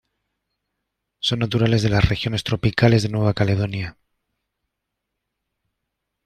Son naturales de las regiones tropicales de Nueva Caledonia.